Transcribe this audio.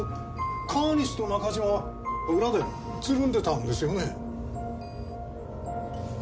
川西と中島は裏でつるんでたんですよね？